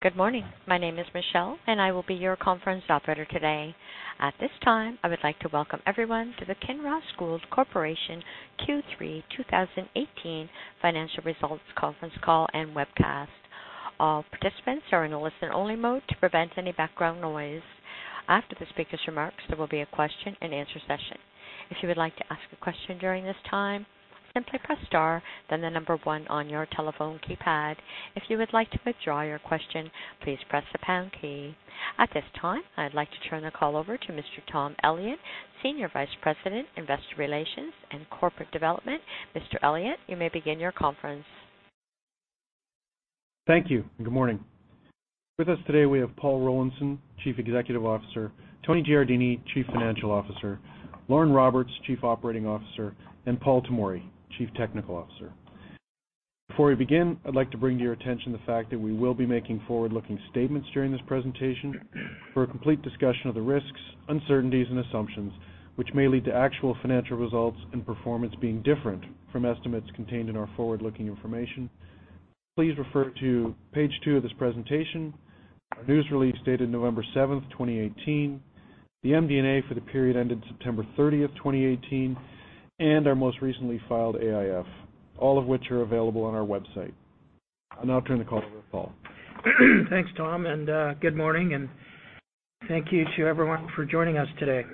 Good morning. My name is Michelle, and I will be your Conference Operator today. At this time, I would like to welcome everyone to the Kinross Gold Corporation Q3 2018 Financial Results Conference Call and Webcast. All participants are in a listen-only mode to prevent any background noise. After the speaker's remarks, there will be a question-and-answer session. If you would like to ask a question during this time, simply press star, then the number one on your telephone keypad. If you would like to withdraw your question, please press the pound key. At this time, I'd like to turn the call over to Mr. Tom Elliott, Senior Vice President, Investor Relations and Corporate Development. Mr. Elliott, you may begin your conference. Thank you. Good morning. With us today, we have Paul Rollinson, Chief Executive Officer, Tony Giardini, Chief Financial Officer, Lauren Roberts, Chief Operating Officer, and Paul Tomory, Chief Technical Officer. Before we begin, I'd like to bring to your attention the fact that we will be making forward-looking statements during this presentation. For a complete discussion of the risks, uncertainties, and assumptions, which may lead to actual financial results and performance being different from estimates contained in our forward-looking information, please refer to page two of this presentation, our news release dated November 7th, 2018, the MD&A for the period ending September 30th, 2018, and our most recently filed AIF, all of which are available on our website. I'll now turn the call over to Paul. Thanks, Tom. Good morning, and thank you to everyone for joining us today.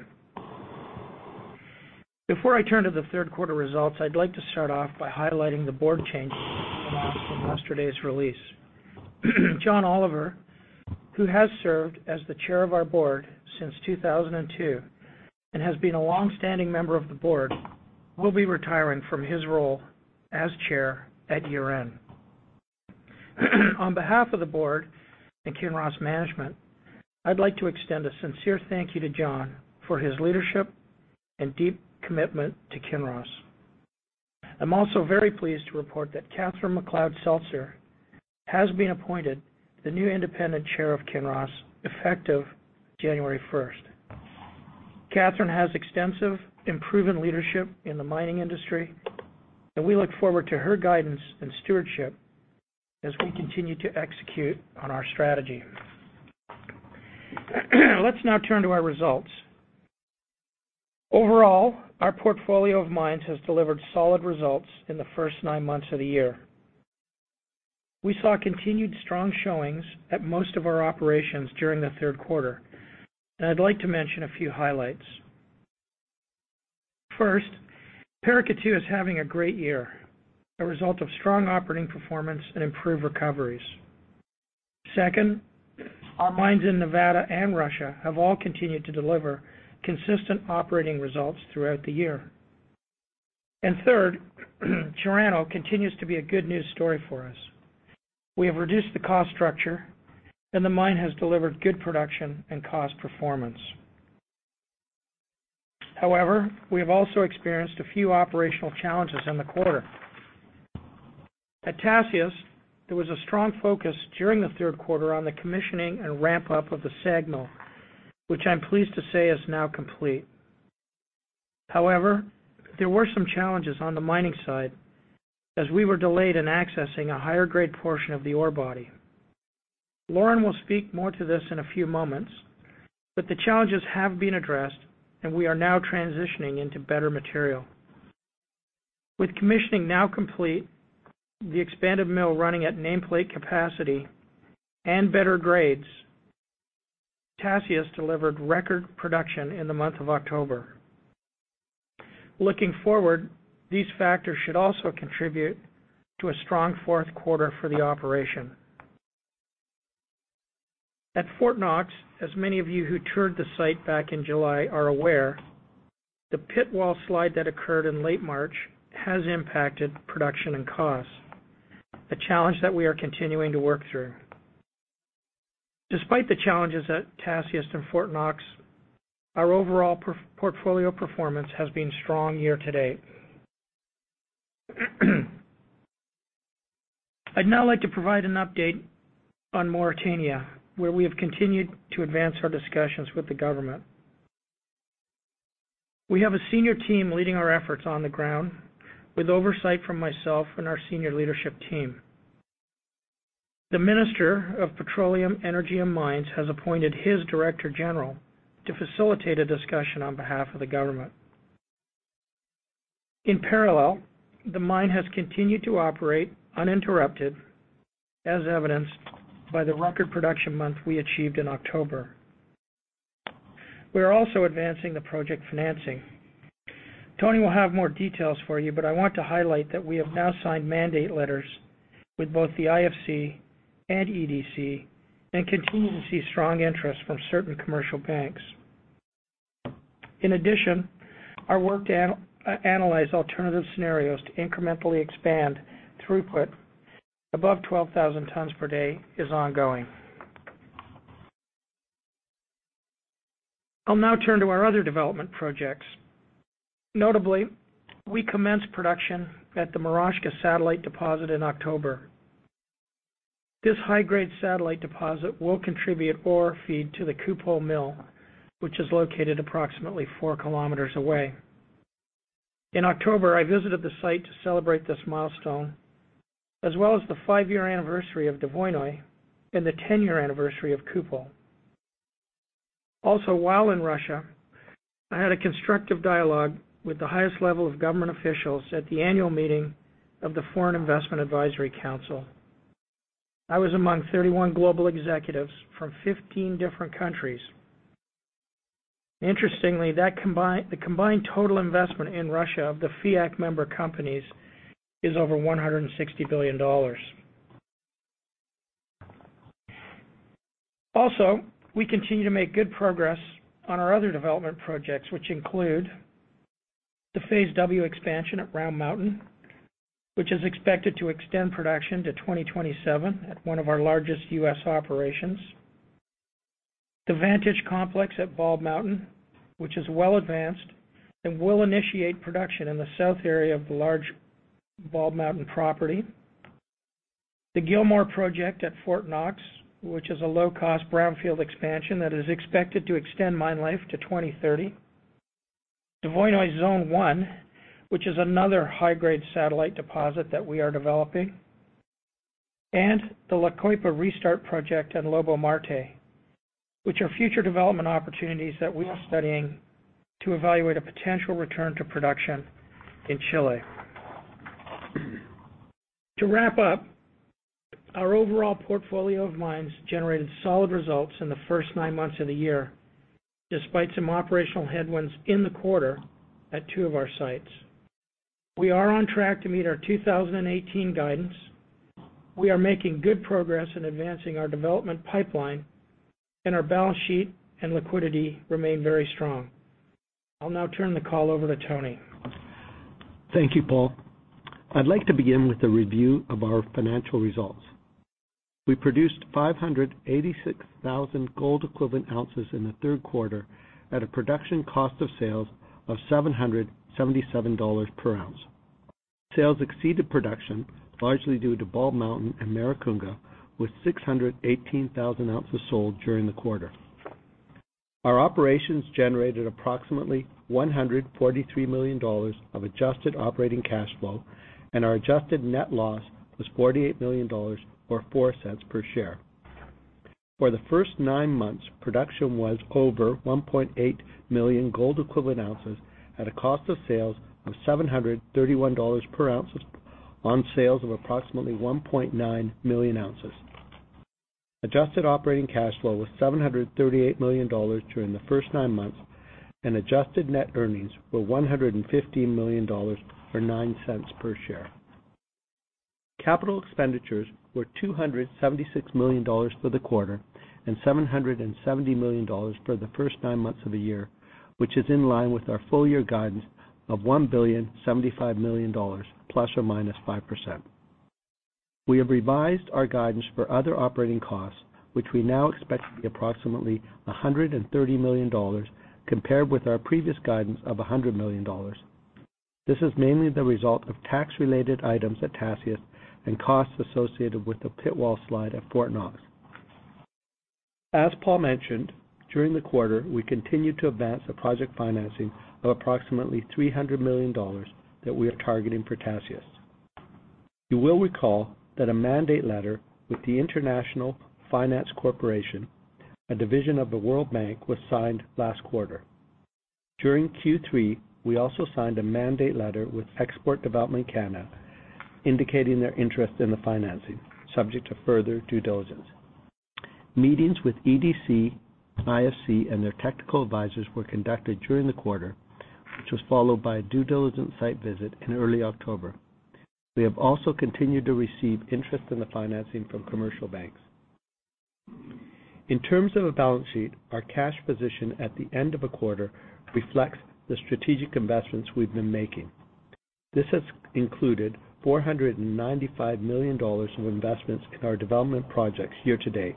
Before I turn to the third quarter results, I'd like to start off by highlighting the Board changes announced in yesterday's release. John Oliver, who has served as the Chair of our Board since 2002 and has been a longstanding member of the Board, will be retiring from his role as Chair at year-end. On behalf of the Board and Kinross Management, I'd like to extend a sincere thank you to John for his leadership and deep commitment to Kinross. I'm also very pleased to report that Catherine McLeod-Seltzer has been appointed the new Independent Chair of Kinross, effective January 1st. Catherine has extensive and proven leadership in the mining industry, and we look forward to her guidance and stewardship as we continue to execute on our strategy. Let's now turn to our results. Overall, our portfolio of mines has delivered solid results in the first nine months of the year. We saw continued strong showings at most of our operations during the third quarter, and I'd like to mention a few highlights. First, Paracatu is having a great year, a result of strong operating performance and improved recoveries. Second, our mines in Nevada and Russia have all continued to deliver consistent operating results throughout the year. Third, Chirano continues to be a good news story for us. We have reduced the cost structure, and the mine has delivered good production and cost performance. However, we have also experienced a few operational challenges in the quarter. At Tasiast, there was a strong focus during the third quarter on the commissioning and ramp-up of the SAG mill, which I'm pleased to say is now complete. However, there were some challenges on the mining side, as we were delayed in accessing a higher-grade portion of the ore body. Lauren will speak more to this in a few moments, but the challenges have been addressed, and we are now transitioning into better material. With commissioning now complete, the expanded mill running at nameplate capacity and better grades, Tasiast delivered record production in the month of October. Looking forward, these factors should also contribute to a strong fourth quarter for the operation. At Fort Knox, as many of you who toured the site back in July are aware, the pit wall slide that occurred in late March has impacted production and costs, a challenge that we are continuing to work through. Despite the challenges at Tasiast and Fort Knox, our overall portfolio performance has been strong year-to-date. I'd now like to provide an update on Mauritania, where we have continued to advance our discussions with the government. We have a senior team leading our efforts on the ground with oversight from myself and our senior leadership team. The Minister of Petroleum, Energy, and Mines has appointed his director general to facilitate a discussion on behalf of the government. In parallel, the mine has continued to operate uninterrupted, as evidenced by the record production month we achieved in October. We are also advancing the project financing. Tony will have more details for you, but I want to highlight that we have now signed mandate letters with both the IFC and EDC and continue to see strong interest from certain commercial banks. In addition, our work to analyze alternative scenarios to incrementally expand throughput above 12,000 tons per day is ongoing. I'll now turn to our other development projects. Notably, we commenced production at the Moroshka satellite deposit in October. This high-grade satellite deposit will contribute ore feed to the Kupol mill, which is located approximately 4 km away. In October, I visited the site to celebrate this milestone, as well as the five-year anniversary of Dvoinoye and the ten-year anniversary of Kupol. While in Russia, I had a constructive dialogue with the highest level of government officials at the annual meeting of the Foreign Investment Advisory Council. I was among 31 global executives from 15 different countries. Interestingly, the combined total investment in Russia of the FIAC member companies is over $160 billion. We continue to make good progress on our other development projects, which include the Phase W expansion at Round Mountain, which is expected to extend production to 2027 at one of our largest U.S. operations. The Vantage Complex at Bald Mountain, which is well advanced and will initiate production in the south area of the large Bald Mountain property. The Gilmore project at Fort Knox, which is a low-cost brownfield expansion that is expected to extend mine life to 2030. Dvoinoye Zone 1, which is another high-grade satellite deposit that we are developing. The La Coipa restart project at Lobo-Marte, which are future development opportunities that we are studying to evaluate a potential return to production in Chile. To wrap up, our overall portfolio of mines generated solid results in the first nine months of the year, despite some operational headwinds in the quarter at two of our sites. We are on track to meet our 2018 guidance. We are making good progress in advancing our development pipeline, and our balance sheet and liquidity remain very strong. I'll now turn the call over to Tony. Thank you, Paul. I'd like to begin with a review of our financial results. We produced 586,000 gold equivalent ounces in the third quarter at a production cost of sales of $777 per ounce. Sales exceeded production largely due to Bald Mountain and Maricunga, with 618,000 ounces sold during the quarter. Our operations generated approximately $143 million of adjusted operating cash flow. Our adjusted net loss was $48 million, or $0.04 per share. For the first nine months, production was over 1.8 million gold equivalent ounces at a cost of sales of $731 per ounce on sales of approximately 1.9 million ounces. Adjusted operating cash flow was $738 million during the first nine months. Adjusted net earnings were $115 million, or $0.09 per share. Capital expenditures were $276 million for the quarter and $770 million for the first nine months of the year, which is in line with our full-year guidance of $1.075 billion, plus or minus 5%. We have revised our guidance for other operating costs, which we now expect to be approximately $130 million, compared with our previous guidance of $100 million. This is mainly the result of tax-related items at Tasiast and costs associated with the pit wall slide at Fort Knox. As Paul mentioned, during the quarter, we continued to advance the project financing of approximately $300 million that we are targeting for Tasiast. You will recall that a mandate letter with the International Finance Corporation, a division of the World Bank, was signed last quarter. During Q3, we also signed a mandate letter with Export Development Canada indicating their interest in the financing, subject to further due diligence. Meetings with EDC, IFC, and their technical advisors were conducted during the quarter, which was followed by a due diligence site visit in early October. We have also continued to receive interest in the financing from commercial banks. In terms of a balance sheet, our cash position at the end of a quarter reflects the strategic investments we've been making. This has included $495 million of investments in our development projects year to date,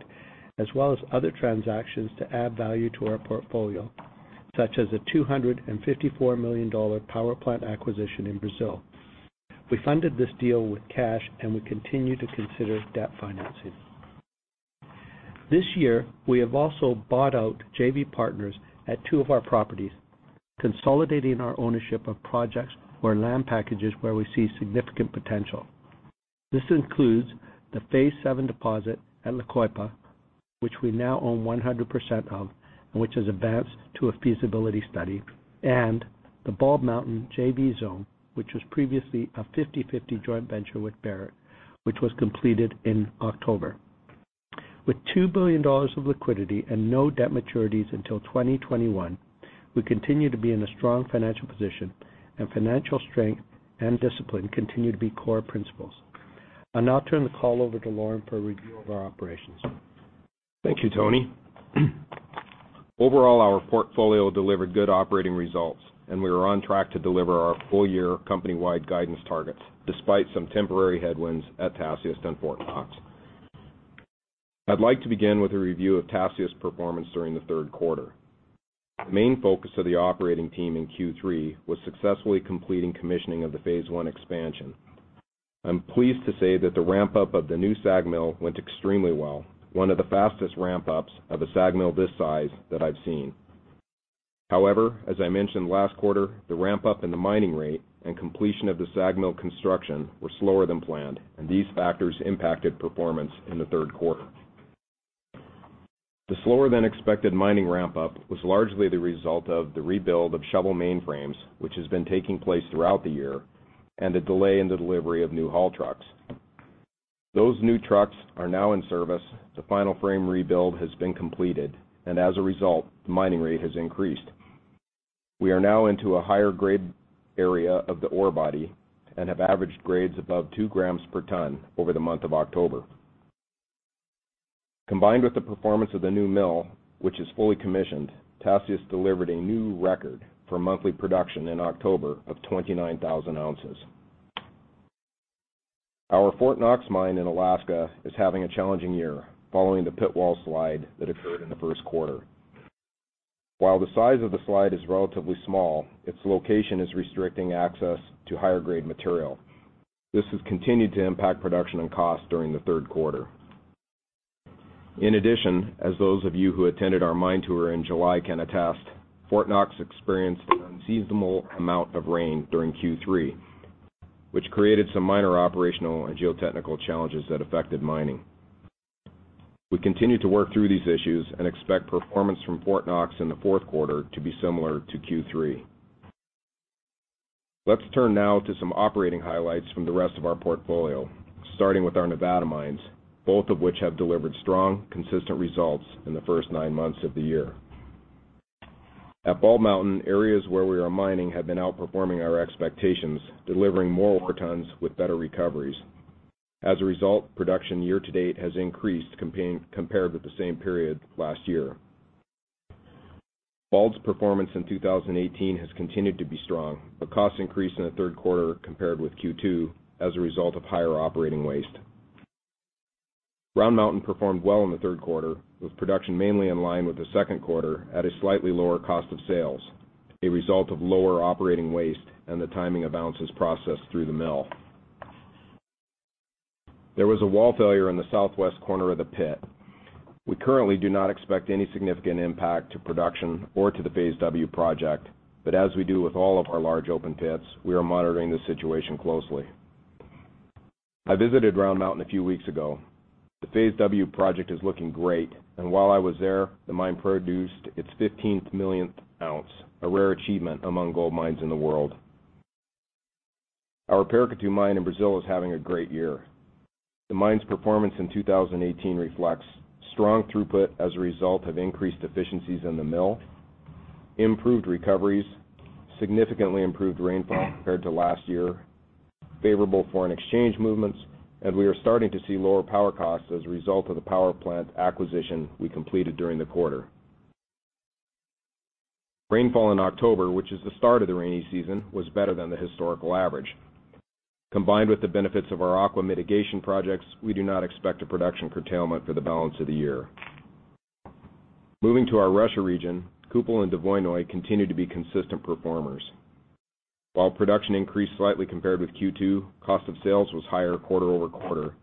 as well as other transactions to add value to our portfolio, such as a $254 million power plant acquisition in Brazil. We funded this deal with cash. We continue to consider debt financing. This year, we have also bought out JV partners at two of our properties, consolidating our ownership of projects or land packages where we see significant potential. This includes the Phase VII deposit at La Coipa, which we now own 100% of, and which has advanced to a feasibility study, and the Bald Mountain JV Zone, which was previously a 50/50 joint venture with Barrick, which was completed in October. $2 billion of liquidity and no debt maturities until 2021, we continue to be in a strong financial position, and financial strength and discipline continue to be core principles. I'll now turn the call over to Lauren for a review of our operations. Thank you, Tony. Overall, our portfolio delivered good operating results, and we are on track to deliver our full-year company-wide guidance targets, despite some temporary headwinds at Tasiast and Fort Knox. I'd like to begin with a review of Tasiast's performance during the third quarter. The main focus of the operating team in Q3 was successfully completing commissioning of the Phase I expansion. I'm pleased to say that the ramp-up of the new SAG mill went extremely well, one of the fastest ramp-ups of a SAG mill this size that I've seen. As I mentioned last quarter, the ramp-up in the mining rate and completion of the SAG mill construction were slower than planned, and these factors impacted performance in the third quarter. The slower than expected mining ramp-up was largely the result of the rebuild of shovel mainframes, which has been taking place throughout the year, and a delay in the delivery of new haul trucks. Those new trucks are now in service. The final frame rebuild has been completed, and as a result, the mining rate has increased. We are now into a higher-grade area of the ore body and have averaged grades above 2 grams per ton over the month of October. Combined with the performance of the new mill, which is fully commissioned, Tasiast delivered a new record for monthly production in October of 29,000 ounces. Our Fort Knox mine in Alaska is having a challenging year following the pit wall slide that occurred in the first quarter. While the size of the slide is relatively small, its location is restricting access to higher-grade material. This has continued to impact production and cost during the third quarter. In addition, as those of you who attended our mine tour in July can attest, Fort Knox experienced an unseasonable amount of rain during Q3, which created some minor operational and geotechnical challenges that affected mining. We continue to work through these issues and expect performance from Fort Knox in the fourth quarter to be similar to Q3. Let's turn now to some operating highlights from the rest of our portfolio, starting with our Nevada mines, both of which have delivered strong, consistent results in the first nine months of the year. At Bald Mountain, areas where we are mining have been outperforming our expectations, delivering more ore tons with better recoveries. As a result, production year-to-date has increased compared with the same period last year. Bald's performance in 2018 has continued to be strong, but costs increased in the third quarter compared with Q2 as a result of higher operating waste. Round Mountain performed well in the third quarter, with production mainly in line with the second quarter at a slightly lower cost of sales, a result of lower operating waste and the timing of ounces processed through the mill. There was a wall failure in the southwest corner of the pit. We currently do not expect any significant impact to production or to the Phase W project, but as we do with all of our large open pits, we are monitoring the situation closely. I visited Round Mountain a few weeks ago. The Phase W project is looking great, and while I was there, the mine produced its 15th millionth ounce, a rare achievement among gold mines in the world. Our Paracatu mine in Brazil is having a great year. The mine's performance in 2018 reflects strong throughput as a result of increased efficiencies in the mill, improved recoveries, significantly improved rainfall compared to last year, favorable foreign exchange movements, and we are starting to see lower power costs as a result of the power plant acquisition we completed during the quarter. Rainfall in October, which is the start of the rainy season, was better than the historical average. Combined with the benefits of our aqua mitigation projects, we do not expect a production curtailment for the balance of the year. Moving to our Russia region, Kupol and Dvoinoye continue to be consistent performers. While production increased slightly compared with Q2, cost of sales was higher quarter-over-quarter,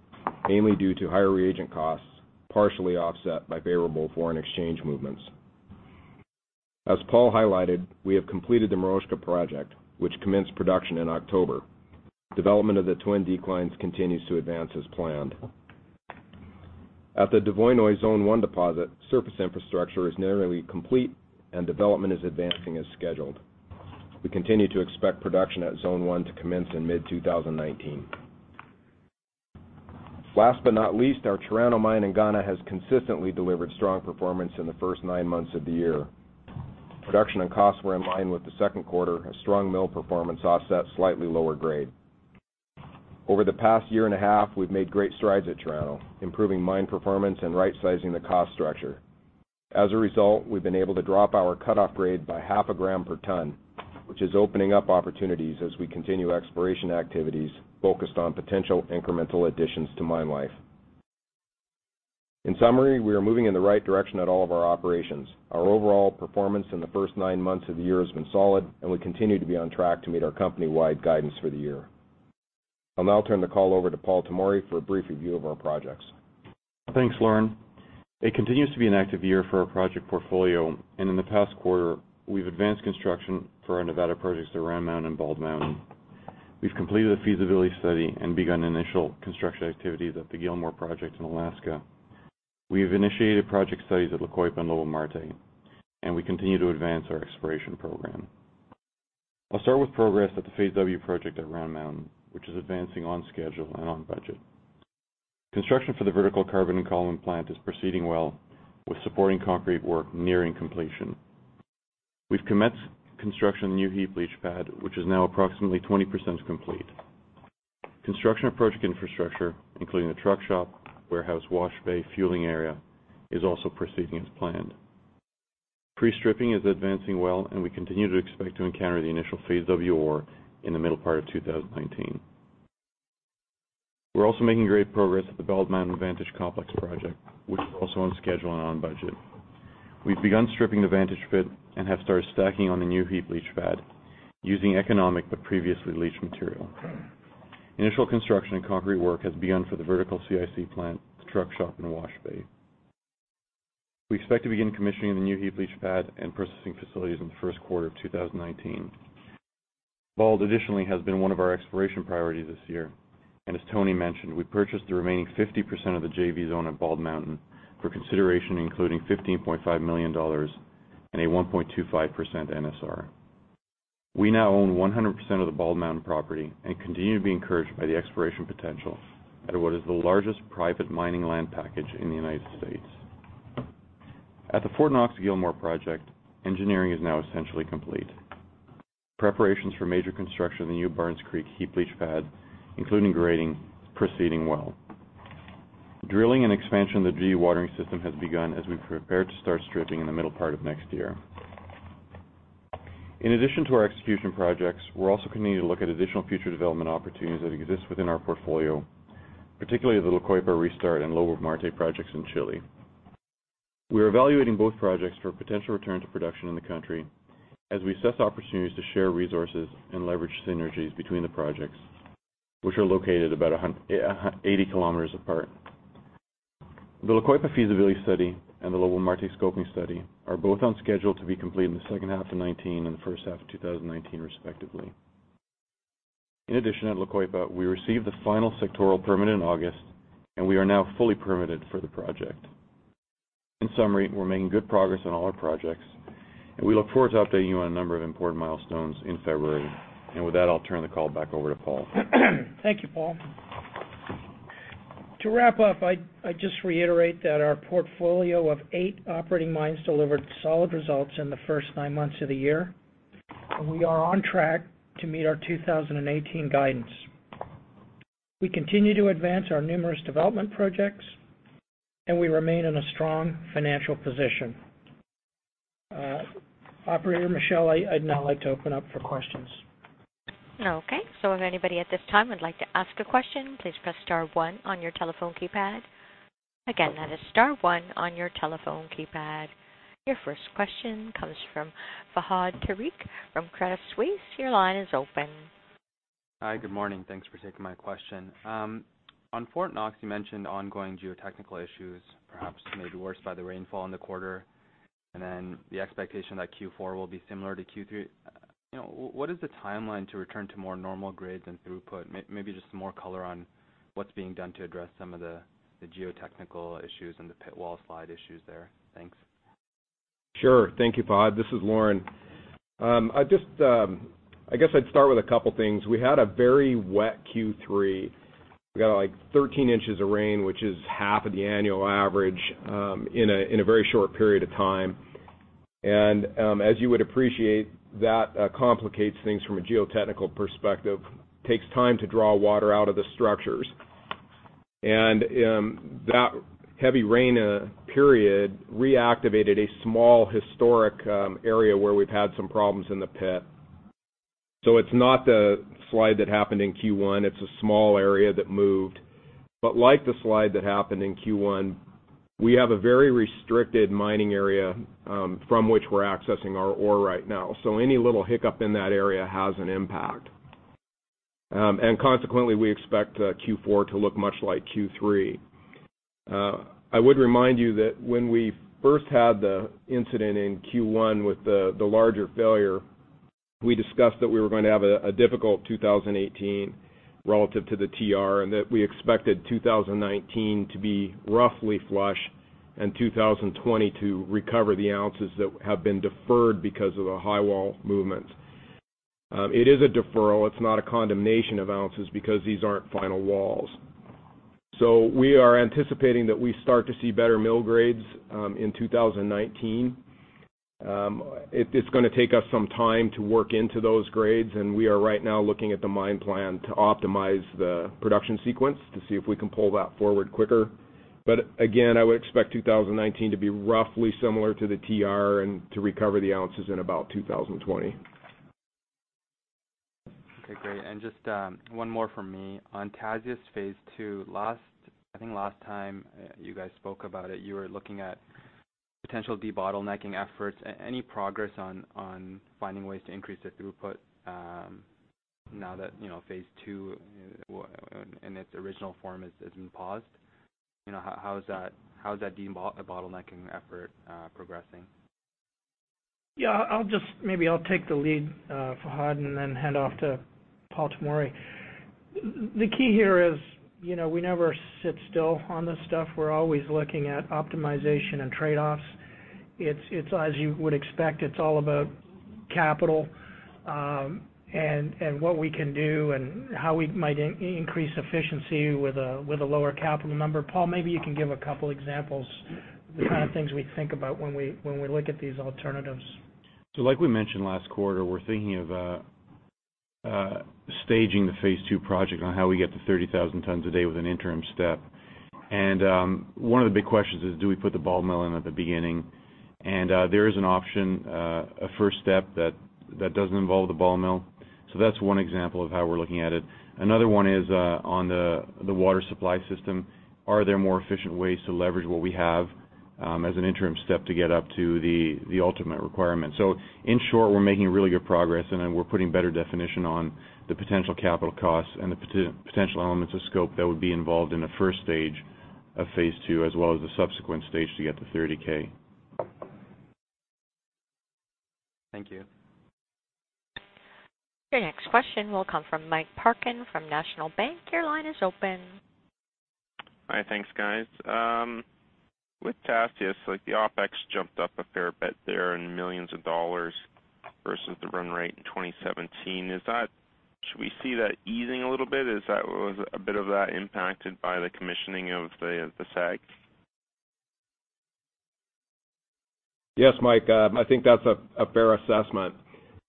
mainly due to higher reagent costs, partially offset by favorable foreign exchange movements. As Paul highlighted, we have completed the Moroshka project, which commenced production in October. Development of the twin declines continues to advance as planned. At the Dvoinoye Zone 1 deposit, surface infrastructure is nearly complete and development is advancing as scheduled. We continue to expect production at Zone 1 to commence in mid-2019. Last but not least, our Chirano mine in Ghana has consistently delivered strong performance in the first nine months of the year. Production and costs were in line with the second quarter as strong mill performance offset slightly lower grade. Over the past 1.5 years, we've made great strides at Chirano, improving mine performance and rightsizing the cost structure. As a result, we've been able to drop our cutoff grade by half a gram per ton, which is opening up opportunities as we continue exploration activities focused on potential incremental additions to mine life. In summary, we are moving in the right direction at all of our operations. Our overall performance in the first nine months of the year has been solid, and we continue to be on track to meet our company-wide guidance for the year. I'll now turn the call over to Paul Tomory for a brief review of our projects. Thanks, Lauren. It continues to be an active year for our project portfolio. In the past quarter, we've advanced construction for our Nevada projects at Round Mountain and Bald Mountain. We've completed a feasibility study and begun initial construction activities at the Gilmore project in Alaska. We have initiated project studies at La Coipa and Lobo-Marte, and we continue to advance our exploration program. I'll start with progress at the Phase W project at Round Mountain, which is advancing on schedule and on budget. Construction for the vertical carbon-in-column plant is proceeding well, with supporting concrete work nearing completion. We've commenced construction of the new heap leach pad, which is now approximately 20% complete. Construction approach infrastructure, including the truck shop, warehouse wash bay, fueling area, is also proceeding as planned. Pre-stripping is advancing well. We continue to expect to encounter the initial Phase W ore in the middle part of 2019. We're also making great progress at the Bald Mountain Vantage Complex project, which is also on schedule and on budget. We've begun stripping the Vantage pit and have started stacking on the new heap leach pad using economic but previously leached material. Initial construction and concrete work has begun for the vertical CIC plant, the truck shop, and wash bay. We expect to begin commissioning the new heap leach pad and processing facilities in the first quarter of 2019. Bald additionally has been one of our exploration priorities this year, and as Tony mentioned, we purchased the remaining 50% of the JV zone at Bald Mountain for consideration, including $15.5 million and a 1.25% NSR. We now own 100% of the Bald Mountain property and continue to be encouraged by the exploration potential at what is the largest private mining land package in the U.S. At the Fort Knox Gilmore project, engineering is now essentially complete. Preparations for major construction of the new Burns Creek heap leach pad, including grading, is proceeding well. Drilling and expansion of the dewatering system has begun as we prepare to start stripping in the middle part of next year. In addition to our execution projects, we're also continuing to look at additional future development opportunities that exist within our portfolio, particularly the La Coipa restart and Lobo-Marte projects in Chile. We are evaluating both projects for a potential return to production in the country as we assess opportunities to share resources and leverage synergies between the projects, which are located about 80 km apart. The La Coipa feasibility study and the Lobo-Marte scoping study are both on schedule to be complete in the second half of 2019 and the first half of 2019, respectively. In addition, at La Coipa, we received the final sectoral permit in August, and we are now fully permitted for the project. In summary, we're making good progress on all our projects. We look forward to updating you on a number of important milestones in February. With that, I'll turn the call back over to Paul. Thank you, Paul. To wrap up, I just reiterate that our portfolio of eight operating mines delivered solid results in the first nine months of the year, and we are on track to meet our 2018 guidance. We continue to advance our numerous development projects, and we remain in a strong financial position. Operator Michelle, I'd now like to open up for questions. If anybody at this time would like to ask a question, please press star one on your telephone keypad. Again, that is star one on your telephone keypad. Your first question comes from Fahad Tariq from Credit Suisse. Your line is open. Hi. Good morning. Thanks for taking my question. On Fort Knox, you mentioned ongoing geotechnical issues, perhaps made worse by the rainfall in the quarter, and the expectation that Q4 will be similar to Q3. What is the timeline to return to more normal grades and throughput? Maybe just some more color on what's being done to address some of the geotechnical issues and the pit wall slide issues there. Thanks. Sure. Thank you, Fahad. This is Lauren. I guess I'd start with a couple things. We had a very wet Q3. We got, like, 13 inches of rain, which is half of the annual average, in a very short period of time. As you would appreciate, that complicates things from a geotechnical perspective. It takes time to draw water out of the structures. That heavy rain period reactivated a small historic area where we've had some problems in the pit. It's not the slide that happened in Q1. It's a small area that moved. Like the slide that happened in Q1, we have a very restricted mining area from which we're accessing our ore right now, any little hiccup in that area has an impact. Consequently, we expect Q4 to look much like Q3. I would remind you that when we first had the incident in Q1 with the larger failure, we discussed that we were going to have a difficult 2018 relative to the TR and that we expected 2019 to be roughly flush and 2020 to recover the ounces that have been deferred because of the high wall movement. It is a deferral. It's not a condemnation of ounces because these aren't final walls. We are anticipating that we start to see better mill grades in 2019. It is going to take us some time to work into those grades, and we are right now looking at the mine plan to optimize the production sequence to see if we can pull that forward quicker. Again, I would expect 2019 to be roughly similar to the TR and to recover the ounces in about 2020. Okay, great. Just one more from me. On Tasiast Phase II, I think last time you guys spoke about it, you were looking at potential debottlenecking efforts. Any progress on finding ways to increase the throughput, now that Phase II in its original form has been paused? How is that debottlenecking effort progressing? Yeah, maybe I'll take the lead, Fahad, and then hand off to Paul Tomory. The key here is we never sit still on this stuff. We're always looking at optimization and trade-offs. As you would expect, it's all about capital and what we can do and how we might increase efficiency with a lower capital number. Paul, maybe you can give a couple examples of the kind of things we think about when we look at these alternatives. Like we mentioned last quarter, we're thinking of staging the Phase II project on how we get to 30,000 tons a day with an interim step. One of the big questions is, do we put the ball mill in at the beginning? There is an option, a first step that doesn't involve the ball mill. That's one example of how we're looking at it. Another one is on the water supply system. Are there more efficient ways to leverage what we have as an interim step to get up to the ultimate requirement? In short, we're making really good progress, and then we're putting better definition on the potential capital costs and the potential elements of scope that would be involved in a first stage of Phase II as well as the subsequent stage to get to 30,000. Thank you. Your next question will come from Mike Parkin from National Bank. Your line is open. Hi. Thanks, guys. With Tasiast, the OpEx jumped up a fair bit there in millions of dollars versus the run rate in 2017. Should we see that easing a little bit? Was a bit of that impacted by the commissioning of the SAG? Yes, Mike. I think that's a fair assessment.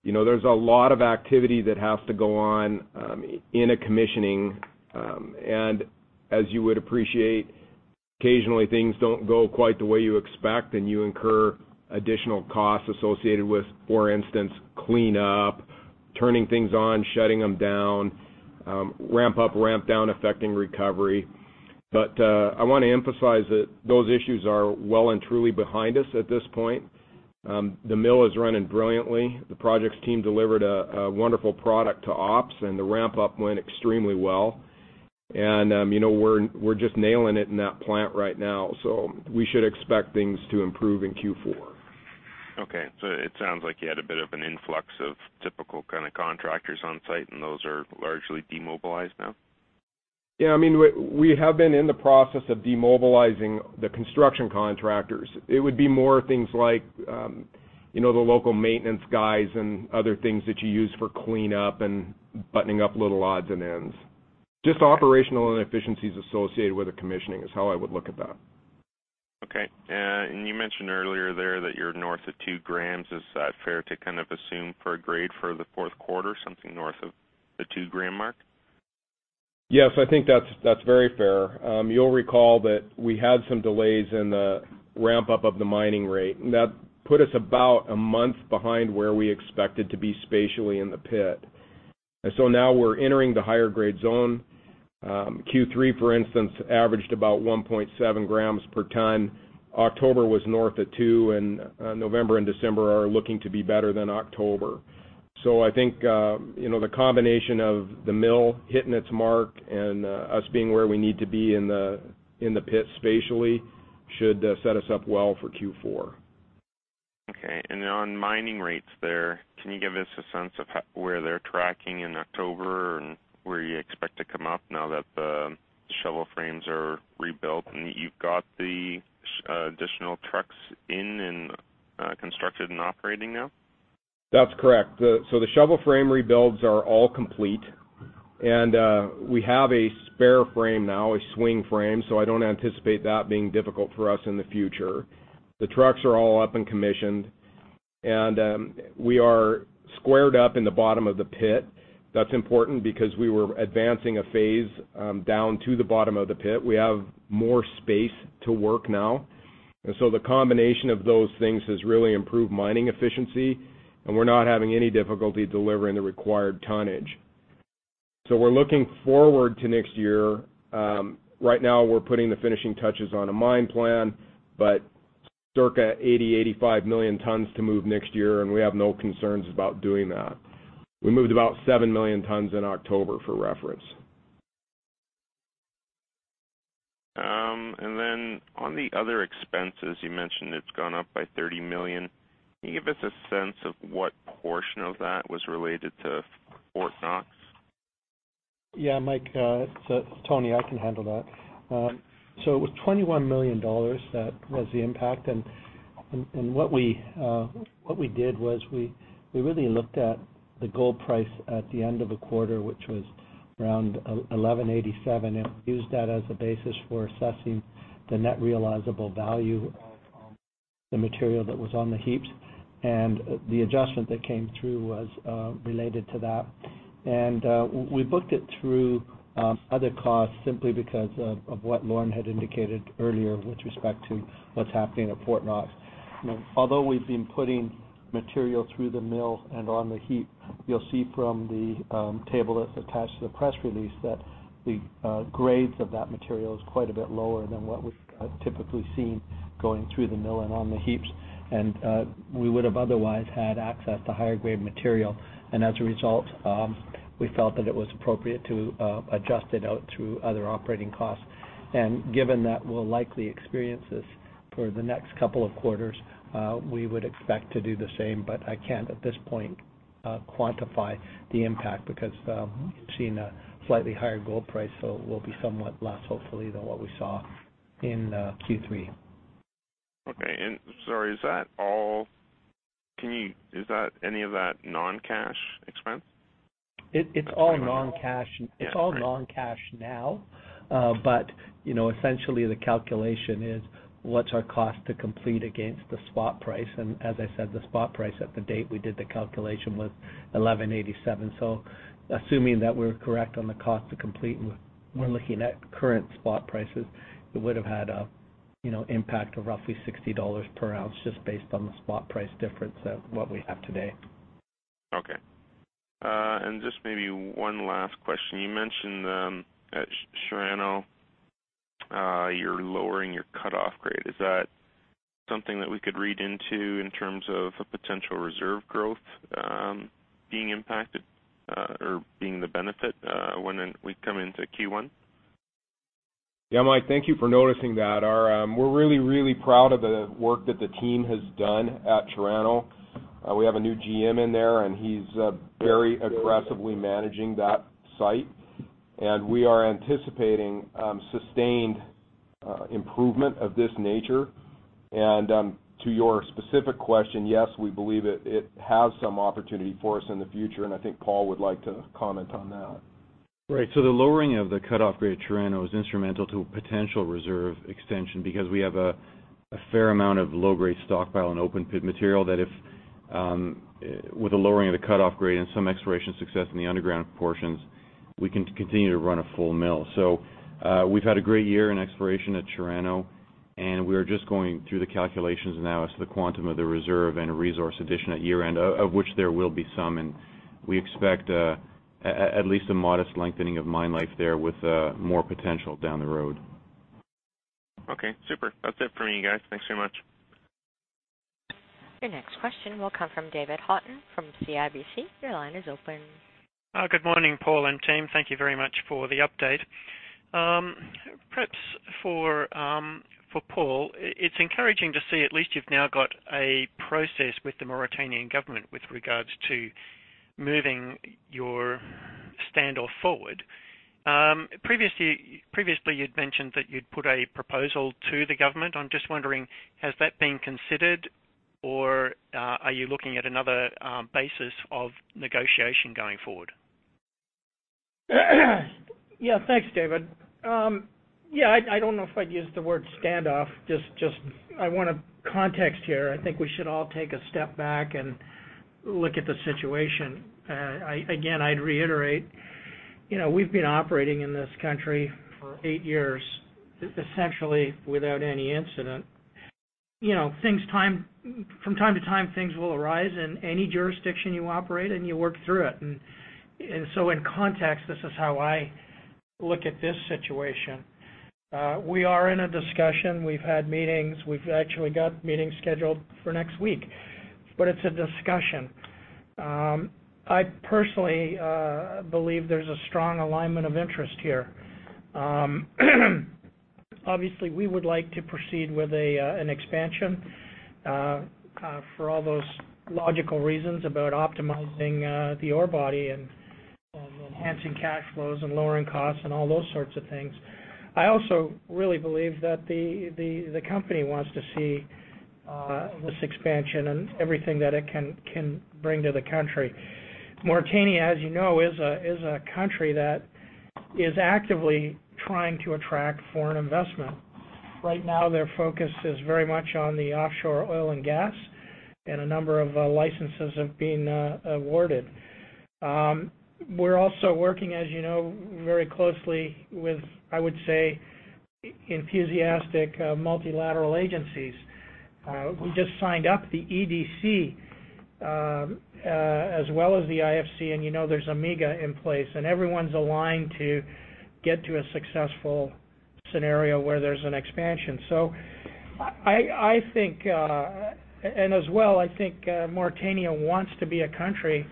There's a lot of activity that has to go on in a commissioning. As you would appreciate, occasionally things don't go quite the way you expect, and you incur additional costs associated with, for instance, cleanup, turning things on, shutting them down, ramp up, ramp down, affecting recovery. I want to emphasize that those issues are well and truly behind us at this point. The mill is running brilliantly. The projects team delivered a wonderful product to ops, the ramp-up went extremely well. We're just nailing it in that plant right now, so we should expect things to improve in Q4. Okay, it sounds like you had a bit of an influx of typical kind of contractors on site, those are largely demobilized now? Yeah, we have been in the process of demobilizing the construction contractors. It would be more things like the local maintenance guys and other things that you use for cleanup and buttoning up little odds and ends. Just operational inefficiencies associated with a commissioning is how I would look at that. Okay. You mentioned earlier there that you're north of two grams. Is that fair to kind of assume for a grade for the fourth quarter, something north of the two-gram mark? Yes, I think that's very fair. You'll recall that we had some delays in the ramp-up of the mining rate, that put us about a month behind where we expected to be spatially in the pit. Now we're entering the higher grade zone. Q3, for instance, averaged about 1.7 grams per ton. October was north of 2 grams, November and December are looking to be better than October. I think the combination of the mill hitting its mark and us being where we need to be in the pit spatially should set us up well for Q4. Okay. On mining rates there, can you give us a sense of where they're tracking in October and where you expect to come up now that the shovel frames are rebuilt and that you've got the additional trucks in and constructed and operating now? That's correct. The shovel frame rebuilds are all complete, we have a spare frame now, a swing frame, I don't anticipate that being difficult for us in the future. The trucks are all up and commissioned, we are squared up in the bottom of the pit. That's important because we were advancing a phase down to the bottom of the pit. We have more space to work now. The combination of those things has really improved mining efficiency, we're not having any difficulty delivering the required tonnage. We're looking forward to next year. Right now we're putting the finishing touches on a mine plan, but circa 80 million, 85 million tons to move next year, we have no concerns about doing that. We moved about 7 million tons in October for reference. On the other expenses, you mentioned it's gone up by $30 million. Can you give us a sense of what portion of that was related to Fort Knox? Mike, it's Tony. I can handle that. It was $21 million that was the impact. What we did was we really looked at the gold price at the end of a quarter, which was around $1,187, and used that as a basis for assessing the net realizable value of the material that was on the heaps. The adjustment that came through was related to that. We booked it through other costs simply because of what Lauren had indicated earlier with respect to what's happening at Fort Knox. Although we've been putting material through the mill and on the heap, you'll see from the table that's attached to the press release that the grades of that material is quite a bit lower than what we've typically seen going through the mill and on the heaps. We would have otherwise had access to higher grade material. As a result, we felt that it was appropriate to adjust it out through other operating costs. Given that we'll likely experience this for the next couple of quarters, we would expect to do the same. I can't, at this point, quantify the impact because we've seen a slightly higher gold price, so it will be somewhat less, hopefully, than what we saw in Q3. Okay. Sorry, is that any of that non-cash expense? It's all non-cash now. Essentially the calculation is what's our cost to complete against the spot price. As I said, the spot price at the date we did the calculation was $1,187. Assuming that we're correct on the cost to complete, and we're looking at current spot prices, it would've had an impact of roughly $60 per ounce just based on the spot price difference of what we have today. Okay. Just maybe one last question. You mentioned at Chirano, you're lowering your cutoff grade. Is that something that we could read into in terms of a potential reserve growth being impacted or being the benefit when we come into Q1? Yeah, Mike, thank you for noticing that. We're really proud of the work that the team has done at Chirano. We have a new GM in there, he's very aggressively managing that site. We are anticipating sustained improvement of this nature. To your specific question, yes, we believe it has some opportunity for us in the future, and I think Paul would like to comment on that. Right. The lowering of the cutoff grade at Chirano is instrumental to a potential reserve extension because we have a fair amount of low-grade stockpile and open pit material that if with a lowering of the cutoff grade and some exploration success in the underground portions, we can continue to run a full mill. We've had a great year in exploration at Chirano. We are just going through the calculations now as to the quantum of the reserve and a resource addition at year-end, of which there will be some. We expect at least a modest lengthening of mine life there with more potential down the road. Okay, super. That's it for me, guys. Thanks very much. Your next question will come from David Haughton from CIBC. Your line is open. Good morning, Paul and team. Thank you very much for the update. Perhaps for Paul, it's encouraging to see at least you've now got a process with the Mauritanian Government with regards to moving your standoff forward. Previously, you'd mentioned that you'd put a proposal to the Government. I'm just wondering, has that been considered, or are you looking at another basis of negotiation going forward? Thanks, David. I don't know if I'd use the word standoff, just I want a context here. I think we should all take a step back and look at the situation. Again, I'd reiterate, we've been operating in this country for eight years, essentially without any incident. From time to time, things will arise in any jurisdiction you operate, and you work through it. In context, this is how I look at this situation. We are in a discussion. We've had meetings. We've actually got meetings scheduled for next week. It's a discussion. I personally believe there's a strong alignment of interest here. Obviously, we would like to proceed with an expansion for all those logical reasons about optimizing the ore body and enhancing cash flows and lowering costs and all those sorts of things. I also really believe that the company wants to see this expansion and everything that it can bring to the country. Mauritania, as you know, is a country that is actively trying to attract foreign investment. Right now, their focus is very much on the offshore oil and gas, and a number of licenses have been awarded. We're also working, as you know, very closely with, I would say, enthusiastic multilateral agencies. We just signed up the EDC as well as the IFC, and you know there's MIGA in place, and everyone's aligned to get to a successful scenario where there's an expansion. As well, I think Mauritania wants to be a country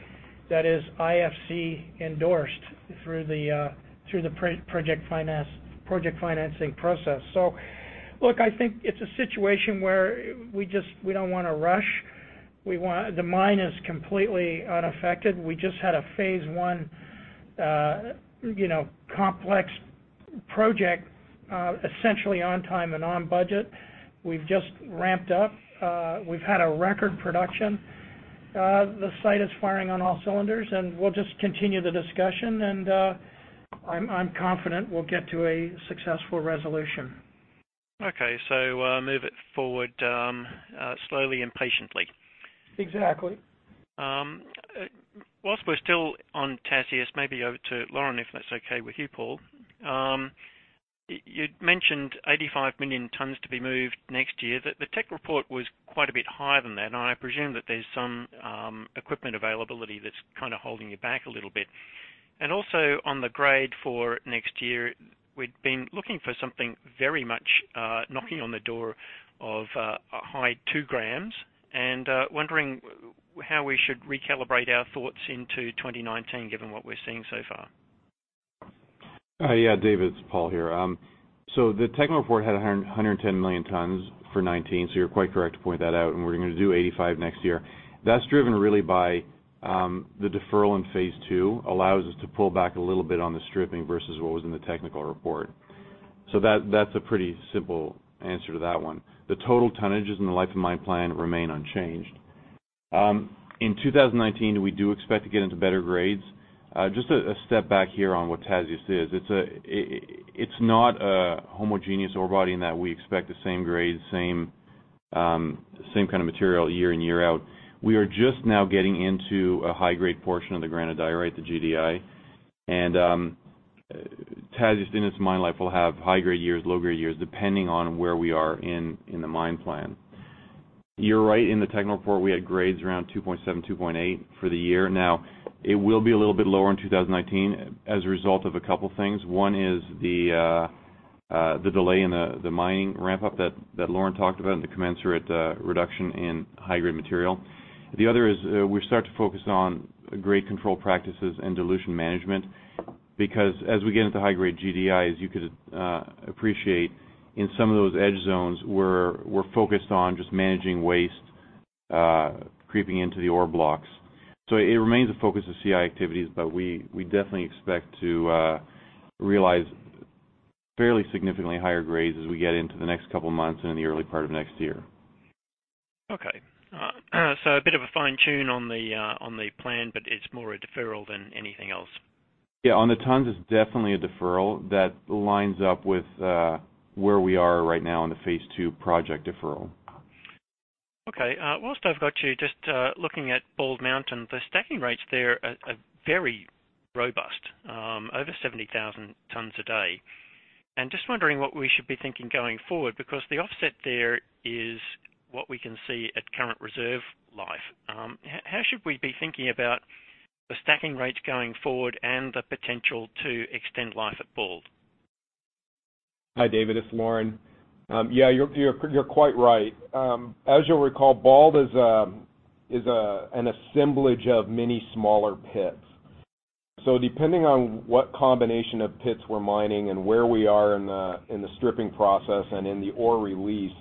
that is IFC endorsed through the project financing process. Look, I think it's a situation where we don't want to rush. The mine is completely unaffected. We just had a Phase I complex project essentially on time and on budget. We've just ramped up. We've had a record production. The site is firing on all cylinders, and we'll just continue the discussion, and I'm confident we'll get to a successful resolution. Okay, move it forward slowly and patiently. Exactly. Whilst we're still on Tasiast, maybe over to Lauren, if that's okay with you, Paul. You'd mentioned 85 million tons to be moved next year. The technical report was quite a bit higher than that. I presume that there's some equipment availability that's kind of holding you back a little bit. Also on the grade for next year, we'd been looking for something very much knocking on the door of a high 2 grams, wondering how we should recalibrate our thoughts into 2019, given what we're seeing so far. Yeah, David, it's Paul here. The technical report had 110 million tons for 2019. You're quite correct to point that out. We're going to do 85 million next year. That's driven really by the deferral in Phase II, allows us to pull back a little bit on the stripping versus what was in the technical report. That's a pretty simple answer to that one. The total tonnages in the life of mine plan remain unchanged. In 2019, we do expect to get into better grades. Just a step back here on what Tasiast is. It's not a homogeneous ore body in that we expect the same grade, the same kind of material year in, year out. We are just now getting into a high-grade portion of the Granodiorite, the GDI. Tasiast, in its mine life, will have high-grade years, low-grade years, depending on where we are in the mine plan. You're right, in the technical report we had grades around 2.7, 2.8 for the year. It will be a little bit lower in 2019 as a result of a couple things. One is the delay in the mining ramp-up that Lauren talked about and the commensurate reduction in high-grade material. The other is we start to focus on grade control practices and dilution management, because as we get into high-grade GDIs, you could appreciate, in some of those edge zones, we're focused on just managing waste creeping into the ore blocks. It remains a focus of CI activities, but we definitely expect to realize fairly significantly higher grades as we get into the next couple of months and in the early part of next year. Okay. A bit of a fine tune on the plan, it's more a deferral than anything else. Yeah. On the tons, it's definitely a deferral that lines up with where we are right now in the Phase 2 project deferral. Okay. Whilst I've got you, just looking at Bald Mountain, the stacking rates there are very robust. Over 70,000 tons a day. Just wondering what we should be thinking going forward, because the offset there is what we can see at current reserve life. How should we be thinking about the stacking rates going forward and the potential to extend life at Bald? Hi, David, it's Lauren. You're quite right. As you'll recall, Bald is an assemblage of many smaller pits. Depending on what combination of pits we're mining and where we are in the stripping process and in the ore release,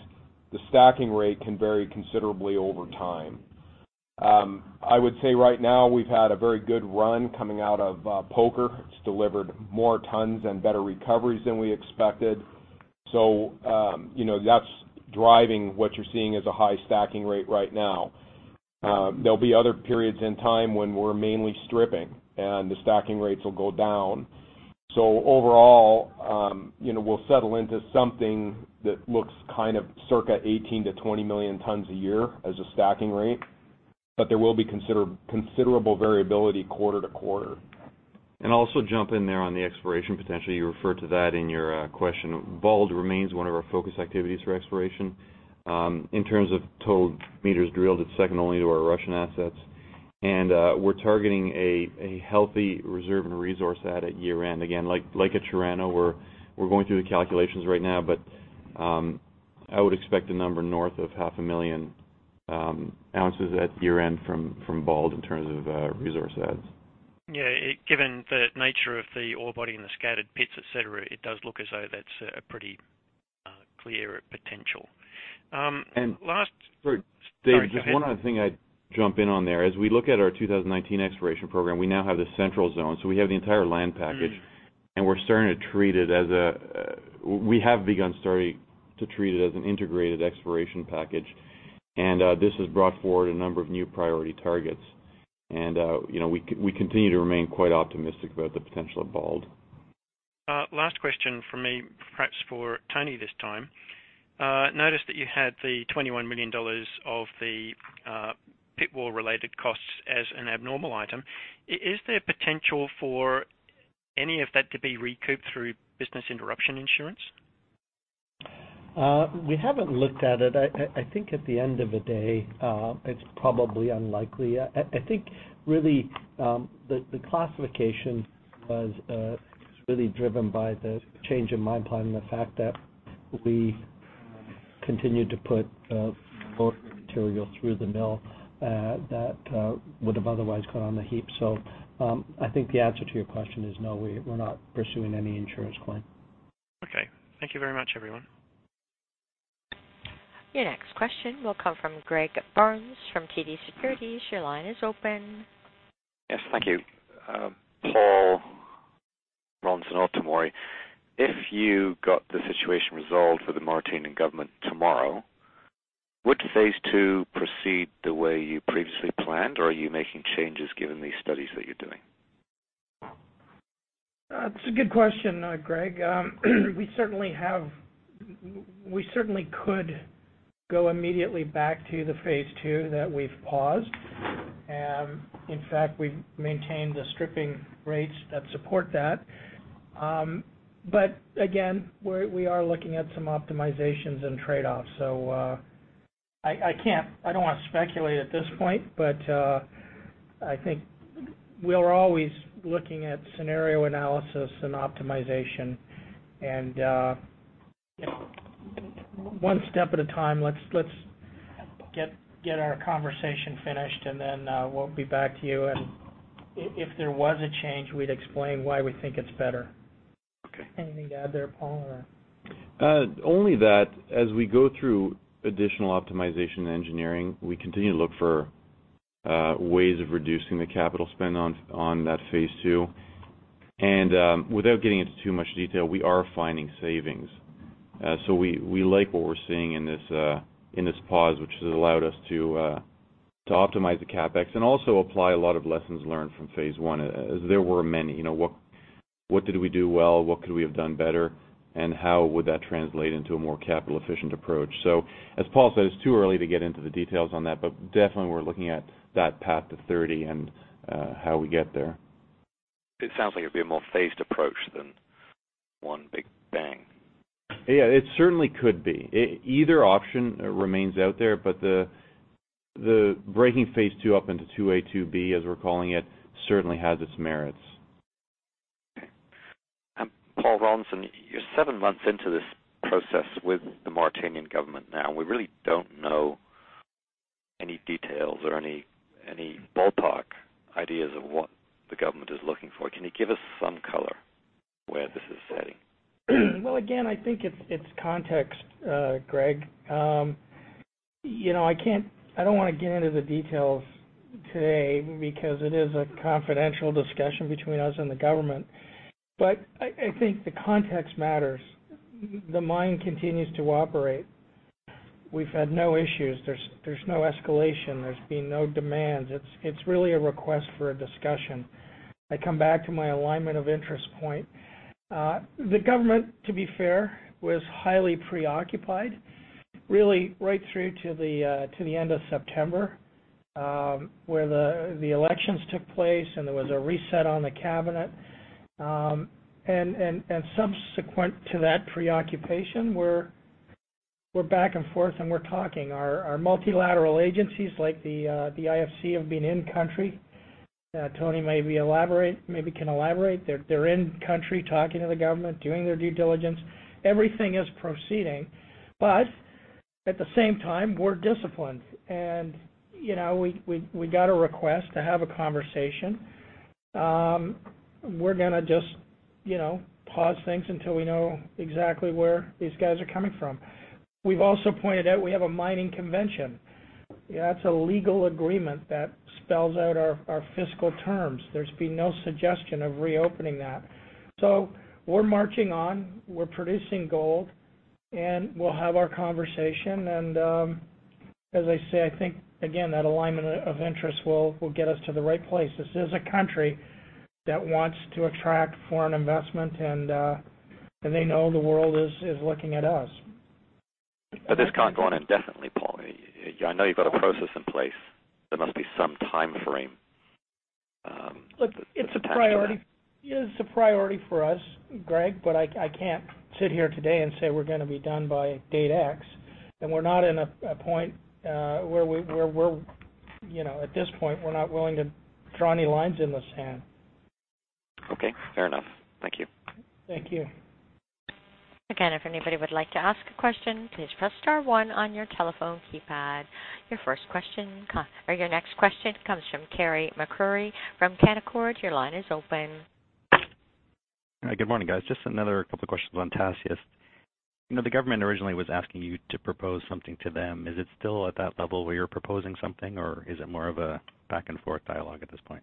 the stacking rate can vary considerably over time. I would say right now we've had a very good run coming out of Poker. It's delivered more tons and better recoveries than we expected. That's driving what you're seeing as a high stacking rate right now. There'll be other periods in time when we're mainly stripping, and the stacking rates will go down. Overall, we'll settle into something that looks kind of circa 18 million tons-20 million tons a year as a stacking rate, but there will be considerable variability quarter-to-quarter. I'll also jump in there on the exploration potential. You referred to that in your question. Bald remains one of our focus activities for exploration. In terms of total meters drilled, it's second only to our Russian assets. We're targeting a healthy reserve and resource add at year-end. Again, like at Chirano, we're going through the calculations right now, but I would expect a number north of 0.5 million ounces at year-end from Bald in terms of resource adds. Yeah, given the nature of the ore body and the scattered pits, et cetera, it does look as though that's a pretty clear potential. David. Sorry, go ahead. Just one other thing I'd jump in on there. As we look at our 2019 exploration program, we now have the Central Zone, so we have the entire land package. We have begun to treat it as an integrated exploration package, and this has brought forward a number of new priority targets. We continue to remain quite optimistic about the potential of Bald. Last question from me, perhaps for Tony this time. Noticed that you had the $21 million of the pit wall related costs as an abnormal item. Is there potential for any of that to be recouped through business interruption insurance? We haven't looked at it. I think at the end of the day, it's probably unlikely. I think really, the classification was really driven by the change in mine plan and the fact that we continued to put ore material through the mill, that would've otherwise gone on the heap. I think the answer to your question is no, we're not pursuing any insurance claim. Okay. Thank you very much, everyone. Your next question will come from Greg Barnes from TD Securities. Your line is open. Yes, thank you. Paul, Lauren and Paul Tomory, if you got the situation resolved for the Mauritanian government tomorrow, would phase II proceed the way you previously planned, or are you making changes given these studies that you're doing? That's a good question, Greg. We certainly could go immediately back to the Phase II that we've paused, and in fact, we've maintained the stripping rates that support that. Again, we are looking at some optimizations and trade-offs. I don't want to speculate at this point, but I think we're always looking at scenario analysis and optimization. One step at a time. Let's get our conversation finished and then we'll be back to you, and if there was a change, we'd explain why we think it's better. Okay. Anything to add there, Paul, or...? Only that, as we go through additional optimization engineering, we continue to look for ways of reducing the capital spend on that Phase II. Without getting into too much detail, we are finding savings. We like what we're seeing in this pause, which has allowed us to optimize the CapEx and also apply a lot of lessons learned from Phase I, as there were many. What did we do well? What could we have done better? How would that translate into a more capital-efficient approach? As Paul said, it's too early to get into the details on that, but definitely we're looking at that path to $30 million and how we get there. It sounds like it'd be a more phased approach than one big bang. Yeah, it certainly could be. Either option remains out there, but the breaking Phase II up into phase II-A, phase II-B, as we're calling it, certainly has its merits. Okay. Paul Rollinson, you're seven months into this process with the Mauritanian government now. We really don't know any details or any ballpark ideas of what the government is looking for. Can you give us some color where this is heading? Well, again, I think it's context, Greg. I don't want to get into the details today because it is a confidential discussion between us and the government, but I think the context matters. The mine continues to operate. We've had no issues. There's no escalation. There's been no demands. It's really a request for a discussion. I come back to my alignment of interest point. The government, to be fair, was highly preoccupied really right through to the end of September, where the elections took place and there was a reset on the cabinet. Subsequent to that preoccupation, we're back and forth, and we're talking. Our multilateral agencies like the IFC have been in country. Tony maybe can elaborate. They're in country talking to the government, doing their due diligence. Everything is proceeding. At the same time, we're disciplined, and we got a request to have a conversation. We're going to just pause things until we know exactly where these guys are coming from. We've also pointed out we have a mining convention. That's a legal agreement that spells out our fiscal terms. There's been no suggestion of reopening that. We're marching on, we're producing gold, and we'll have our conversation and, as I say, I think, again, that alignment of interests will get us to the right place. This is a country that wants to attract foreign investment, and they know the world is looking at us. This can't go on indefinitely, Paul. I know you've got a process in place. There must be some timeframe attached to that. It's a priority for us, Greg, but I can't sit here today and say we're going to be done by date X, and we're not in a point where At this point, we're not willing to draw any lines in the sand. Okay, fair enough. Thank you. Thank you. If anybody would like to ask a question, please press star one on your telephone keypad. Your next question comes from Carey MacRury from Canaccord. Your line is open. Good morning, guys. Another couple of questions on Tasiast. The government originally was asking you to propose something to them. Is it still at that level where you're proposing something, or is it more of a back-and-forth dialogue at this point?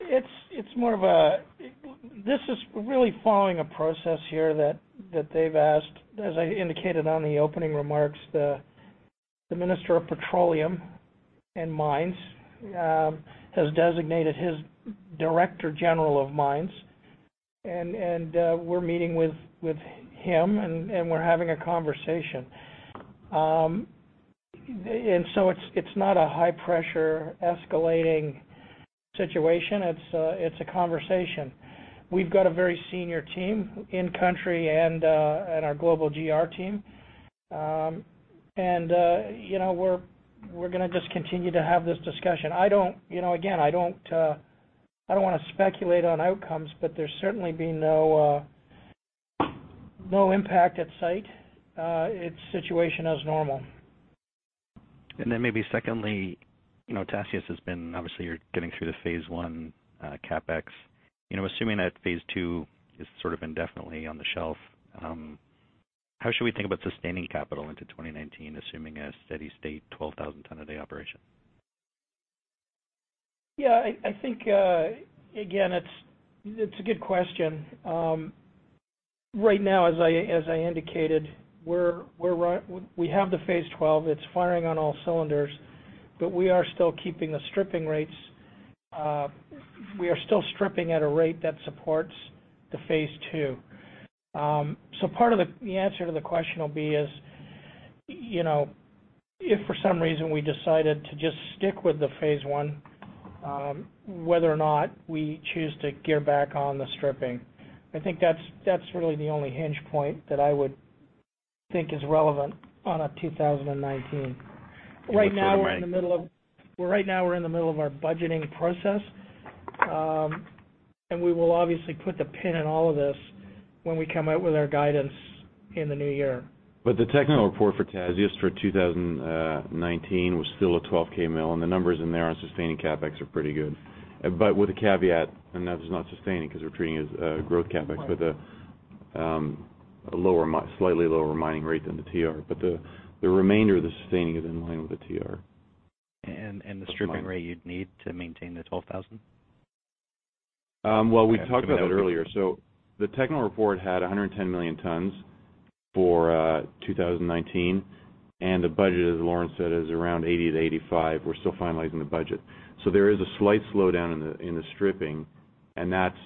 This is really following a process here that they've asked. As I indicated on the opening remarks, the Minister of Petroleum and Mines has designated his director general of mines, and we're meeting with him, and we're having a conversation. It's not a high pressure escalating situation. It's a conversation. We've got a very senior team in country and our global GR team. We're going to just continue to have this discussion. I don't want to speculate on outcomes, but there's certainly been no impact at site. It's situation as normal. Maybe secondly, Tasiast has been, obviously, you're getting through the phase I CapEx. Assuming that phase II is sort of indefinitely on the shelf, how should we think about sustaining capital into 2019, assuming a steady state 12,000 ton a day operation? I think, again, it's a good question. Right now, as I indicated, we have the Phase I. It's firing on all cylinders, but we are still keeping the stripping rates. We are still stripping at a rate that supports the Phase II. Part of the answer to the question will be is, if for some reason we decided to just stick with the Phase I, whether or not we choose to gear back on the stripping. I think that's really the only hinge point that I would think is relevant on a 2019. Right now we're in the middle of our budgeting process. We will obviously put the pin in all of this when we come out with our guidance in the new year. The technical report for Tasiast for 2019 was still a 12,000 mil, the numbers in there on sustaining CapEx are pretty good. With a caveat, that is not sustaining because we're treating it as a growth CapEx with a slightly lower mining rate than the TR. The remainder of the sustaining is in line with the TR. The stripping rate you'd need to maintain the 12,000? Well, we talked about it earlier. The technical report had 110 million tons for 2019, the budget, as Lauren said, is around $80 million-$85 million. We're still finalizing the budget. There is a slight slowdown in the stripping, that's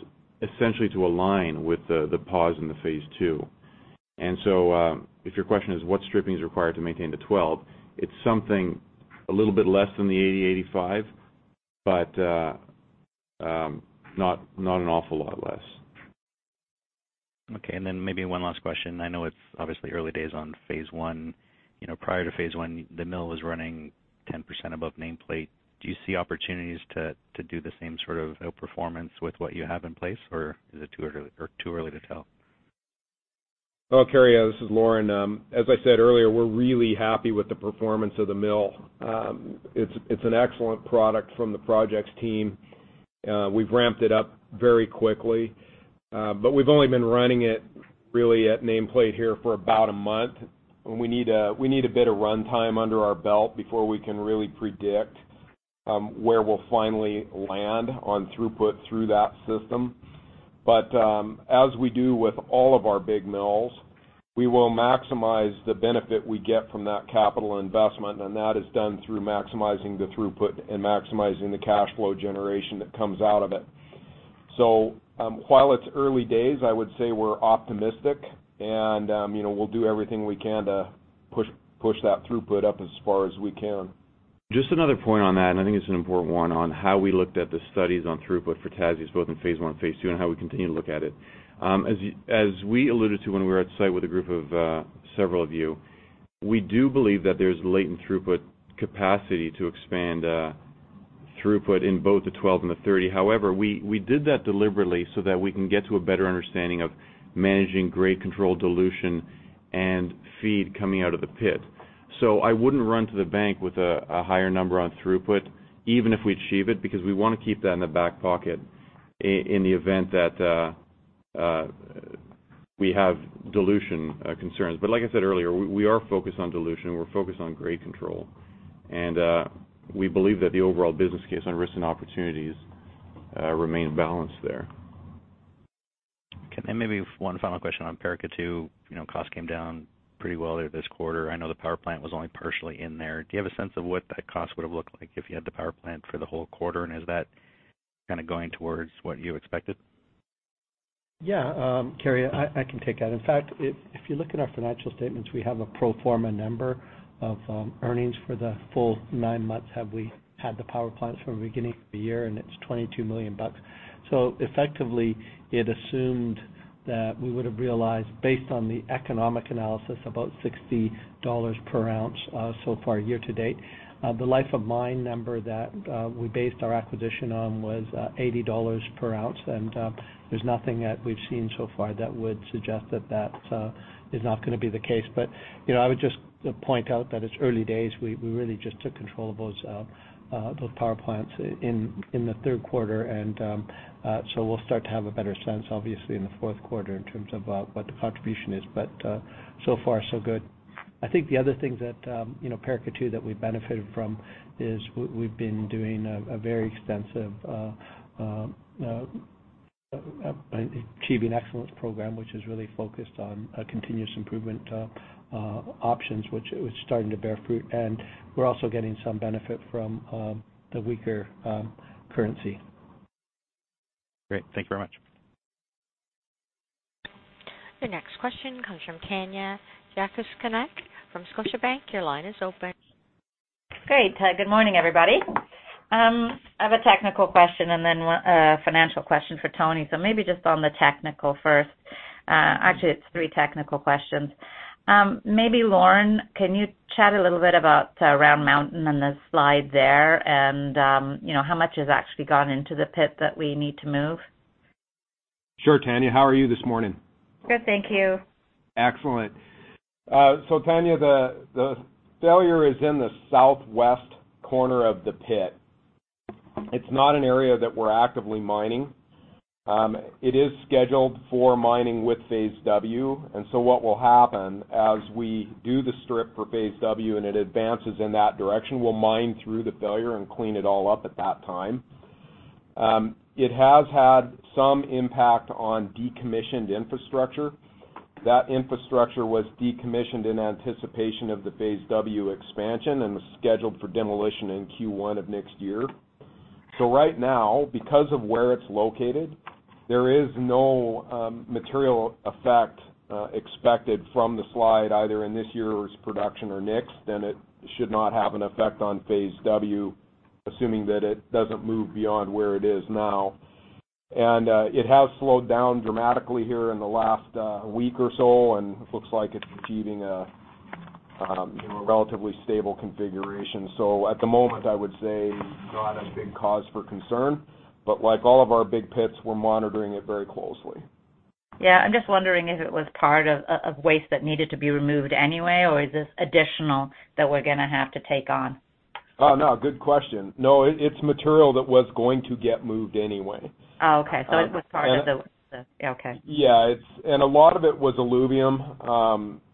essentially to align with the pause in the Phase II. If your question is what stripping is required to maintain the 12,000, it's something a little bit less than the $80 million, $85 million, but not an awful lot less. Okay, maybe one last question. I know it's obviously early days on phase I. Prior to phase I, the mill was running 10% above nameplate. Do you see opportunities to do the same sort of outperformance with what you have in place, or is it too early to tell? Well, Carey, this is Lauren. As I said earlier, we're really happy with the performance of the mill. It's an excellent product from the projects team. We've ramped it up very quickly. We've only been running it really at nameplate here for about a month, we need a bit of runtime under our belt before we can really predict where we'll finally land on throughput through that system. As we do with all of our big mills, we will maximize the benefit we get from that capital investment, that is done through maximizing the throughput and maximizing the cash flow generation that comes out of it. While it's early days, I would say we're optimistic and we'll do everything we can to push that throughput up as far as we can. Just another point on that, I think it's an important one on how we looked at the studies on throughput for Tasiast, both in phase I and phase II, how we continue to look at it. As we alluded to when we were at site with a group of several of you, we do believe that there's latent throughput capacity to expand throughput in both the 12,000 and the 30,000. However, we did that deliberately so that we can get to a better understanding of managing grade control dilution and feed coming out of the pit. I wouldn't run to the bank with a higher number on throughput, even if we achieve it, because we want to keep that in the back pocket in the event that we have dilution concerns. Like I said earlier, we are focused on dilution, we're focused on grade control. We believe that the overall business case on risks and opportunities remain balanced there. Okay, maybe one final question on Paracatu. Cost came down pretty well there this quarter. I know the power plant was only partially in there. Do you have a sense of what that cost would've looked like if you had the power plant for the whole quarter? Is that kind of going towards what you expected? Yeah, Carey, I can take that. In fact, if you look at our financial statements, we have a pro forma number of earnings for the full nine months, have we had the power plants from the beginning of the year, and it's $22 million. Effectively, it assumed that we would've realized, based on the economic analysis, about $60 per ounce so far, year to date. The life of mine number that we based our acquisition on was $80 per ounce and there's nothing that we've seen so far that would suggest that that is not going to be the case. I would just point out that it's early days. We really just took control of those power plants in the third quarter and so we'll start to have a better sense, obviously, in the fourth quarter in terms of what the contribution is, but so far, so good. I think the other thing that Paracatu, that we benefited from is we've been doing a very extensive Achieving Excellence program, which is really focused on continuous improvement options, which is starting to bear fruit. We're also getting some benefit from the weaker currency. Great. Thank you very much. The next question comes from Tanya Jakusconek from Scotiabank. Your line is open. Great. Good morning, everybody. I have a technical question and then a financial question for Tony. Maybe just on the technical first. Actually, it's three technical questions. Maybe Lauren, can you chat a little bit about Round Mountain and the slide there and how much has actually gone into the pit that we need to move? Sure, Tanya, how are you this morning? Good, thank you. Excellent. Tanya, the failure is in the southwest corner of the pit. It's not an area that we're actively mining. It is scheduled for mining with Phase W. What will happen as we do the strip for Phase W and it advances in that direction, we'll mine through the failure and clean it all up at that time. It has had some impact on decommissioned infrastructure. That infrastructure was decommissioned in anticipation of the Phase W expansion and was scheduled for demolition in Q1 of next year. Right now, because of where it's located, there is no material effect expected from the slide either in this year's production or next, and it should not have an effect on Phase W, assuming that it doesn't move beyond where it is now. It has slowed down dramatically here in the last week or so, and it looks like it's achieving a relatively stable configuration. At the moment, I would say not a big cause for concern, but like all of our big pits, we're monitoring it very closely. Yeah, I'm just wondering if it was part of waste that needed to be removed anyway, or is this additional that we're going to have to take on? Oh, no. Good question. No, it's material that was going to get moved anyway. Oh, okay. It was part of the... Okay. Yeah. A lot of it was alluvium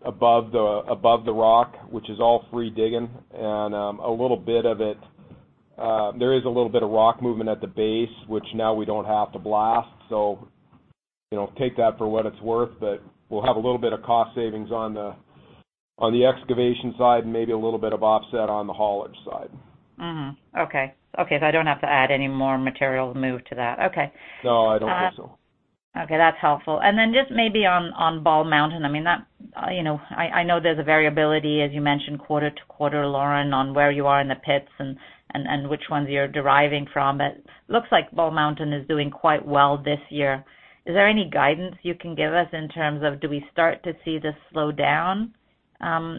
above the rock, which is all free digging and a little bit of it, there is a little bit of rock movement at the base, which now we don't have to blast, so. Take that for what it's worth, we'll have a little bit of cost savings on the excavation side, and maybe a little bit of offset on the haulage side. Okay. I don't have to add any more material moved to that. Okay. No, I don't think so. Okay, that's helpful. Just maybe on Bald Mountain, I know there's a variability, as you mentioned, quarter to quarter, Lauren, on where you are in the pits and which ones you're deriving from. Looks like Bald Mountain is doing quite well this year. Is there any guidance you can give us in terms of do we start to see this slow down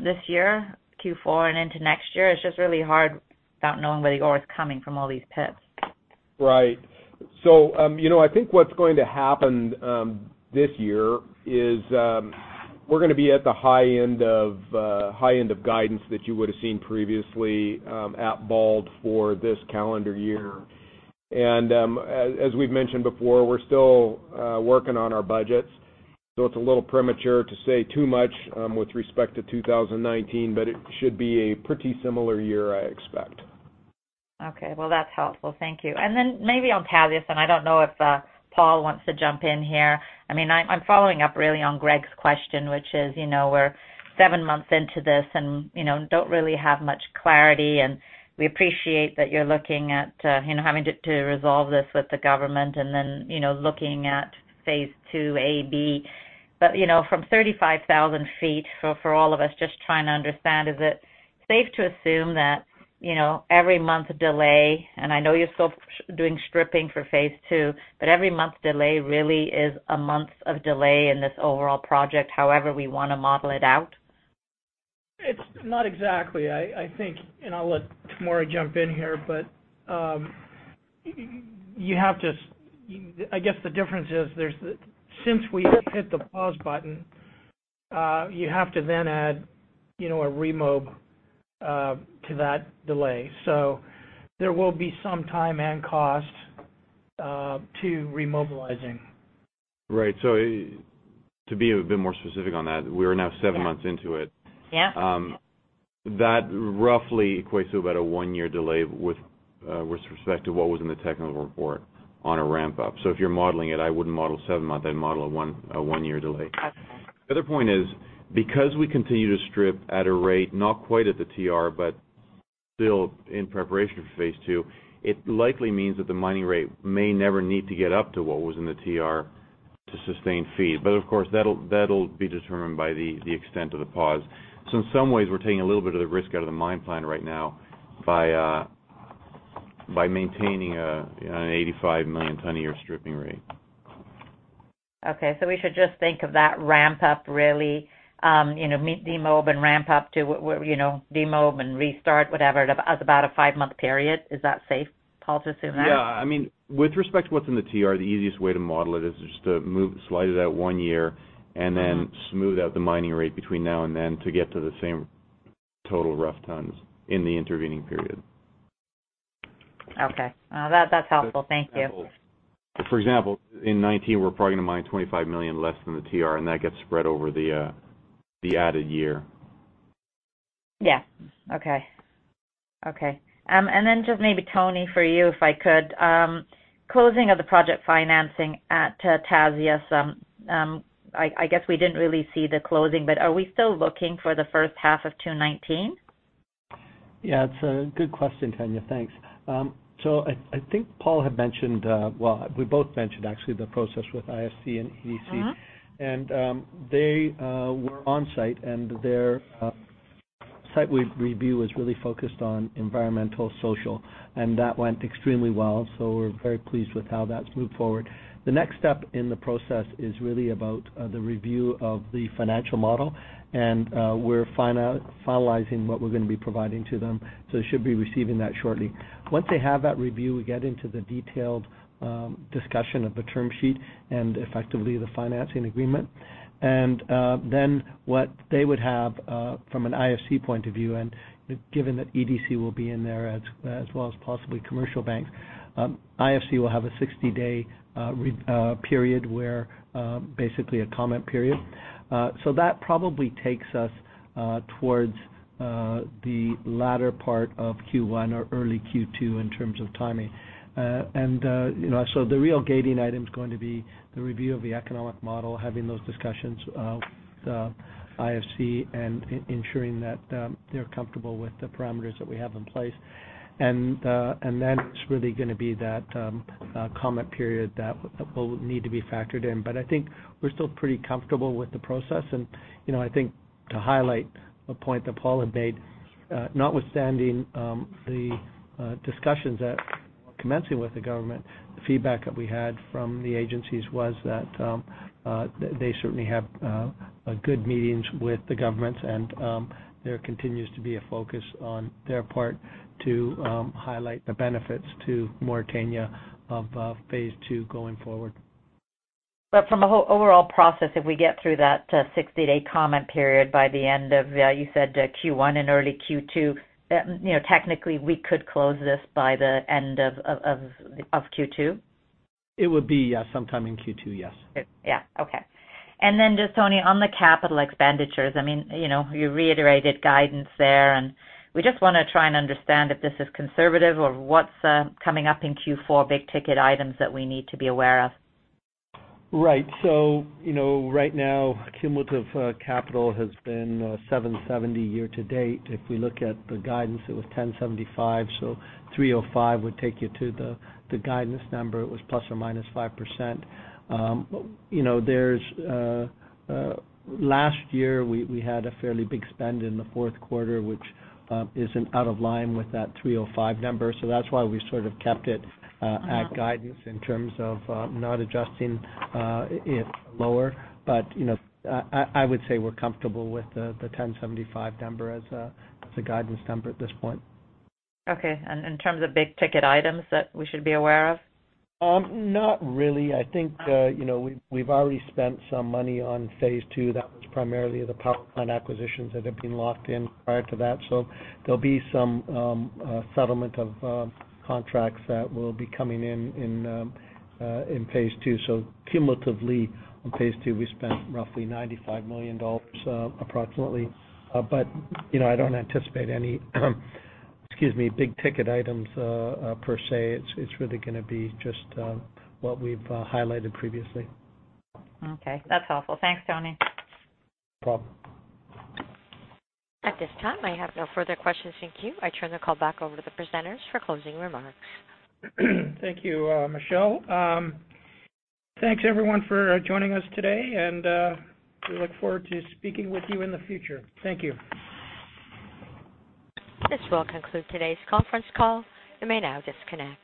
this year, Q4 and into next year? It's just really hard not knowing where the ore is coming from all these pits. Right. I think what's going to happen this year is we're going to be at the high end of guidance that you would've seen previously at Bald for this calendar year. As we've mentioned before, we're still working on our budgets, it's a little premature to say too much with respect to 2019, but it should be a pretty similar year, I expect. Okay. Well, that's helpful. Thank you. Just maybe on Tasiast, I don't know if Paul wants to jump in here. I'm following up really on Greg's question, which is, we're seven months into this and don't really have much clarity, we appreciate that you're looking at having to resolve this with the government looking at Phase II-A, II-B. From 35,000 feet, for all of us just trying to understand, is it safe to assume that every month delay, I know you're still doing stripping for Phase II, every month delay really is a month of delay in this overall project, however we want to model it out? It's not exactly. I think, I'll let Tomory jump in here, I guess the difference is, since we hit the pause button, you have to then add a remob to that delay. There will be some time and cost to remobilizing. Right. To be a bit more specific on that, we are now seven months into it. Yeah. That roughly equates to about a one-year delay with respect to what was in the technical report on a ramp-up. If you're modeling it, I wouldn't model seven months, I'd model a one-year delay. Okay. The other point is, because we continue to strip at a rate, not quite at the TR, but still in preparation for Phase II, it likely means that the mining rate may never need to get up to what was in the TR to sustain feed. Of course, that'll be determined by the extent of the pause. In some ways, we're taking a little bit of the risk out of the mine plan right now by maintaining an 85 million ton a year stripping rate. Okay, we should just think of that ramp-up really, demob and ramp-up to where demob and restart, whatever, as about a five-month period. Is that safe, Paul, to assume that? With respect to what's in the TR, the easiest way to model it is just to slide it out one year and then smooth out the mining rate between now and then to get to the same total rough tons in the intervening period. That's helpful. Thank you. For example, in 2019, we're probably going to mine 25 million less than the TR. That gets spread over the added year. Just maybe Tony, for you, if I could. Closing of the project financing at Tasiast. I guess we didn't really see the closing. Are we still looking for the first half of 2019? It's a good question, Tanya. Thanks. I think Paul had mentioned, well, we both mentioned actually the process with IFC and EDC. They were on-site, their site review was really focused on environmental, social, that went extremely well. We're very pleased with how that's moved forward. The next step in the process is really about the review of the financial model, we're finalizing what we're going to be providing to them. They should be receiving that shortly. Once they have that review, we get into the detailed discussion of the term sheet and effectively the financing agreement. What they would have, from an IFC point of view, given that EDC will be in there as well as possibly commercial banks, IFC will have a 60-day period where basically a comment period. That probably takes us towards the latter part of Q1 or early Q2 in terms of timing. The real gating item's going to be the review of the economic model, having those discussions with the IFC and ensuring that they're comfortable with the parameters that we have in place. It's really going to be that comment period that will need to be factored in. I think we're still pretty comfortable with the process, I think to highlight a point that Paul had made, notwithstanding the discussions that were commencing with the government, the feedback that we had from the agencies was that they certainly have good meetings with the governments and there continues to be a focus on their part to highlight the benefits to Mauritania of phase II going forward. From a whole overall process, if we get through that 60-day comment period by the end of, you said Q1 and early Q2, technically we could close this by the end of Q2? It would be, yeah, sometime in Q2, yes. Yeah. Okay. Just Tony, on the capital expenditures, you reiterated guidance there, and we just want to try and understand if this is conservative or what's coming up in Q4, big ticket items that we need to be aware of? Right. Right now, cumulative capital has been $770 year-to-date. If we look at the guidance, it was $1,075, 305 would take you to the guidance number. It was ±5%. Last year, we had a fairly big spend in the fourth quarter, which isn't out of line with that $305 number, that's why we sort of kept it at guidance in terms of not adjusting it lower. I would say we're comfortable with the $1,075 number as a guidance number at this point. Okay. In terms of big ticket items that we should be aware of? Not really. I think we've already spent some money on Phase II. That was primarily the power plant acquisitions that had been locked in prior to that. There'll be some settlement of contracts that will be coming in Phase II. Cumulatively on Phase II, we spent roughly $95 million approximately. I don't anticipate any, excuse me, big ticket items per se. It's really going to be just what we've highlighted previously. That's helpful. Thanks, Tony. No problem. At this time, I have no further questions in queue. I turn the call back over to the presenters for closing remarks. Thank you, Michelle. Thanks everyone for joining us today, and we look forward to speaking with you in the future. Thank you. This will conclude today's conference call. You may now disconnect.